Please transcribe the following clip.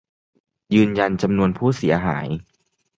ยืนยันจำนวนผู้เสียหาย